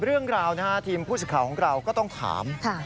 เรื่องราวนะครับทีมผู้ส่งคราวของเราก็ต้องถาม